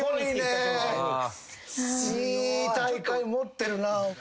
いい大会持ってるなぁ。